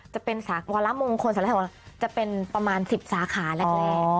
จะเป็นวาระมงคลศาลจะเป็นประมาณ๑๐สาขาแรก